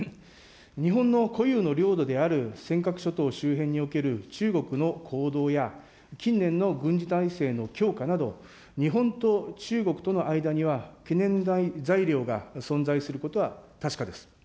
日本の固有の領土である尖閣諸島周辺における中国の行動や近年の軍事態勢の強化など、日本と中国との間には懸念材料が存在することは確かです。